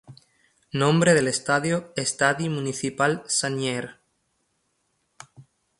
Nombre del estadio Estadi Municipal Sagnier.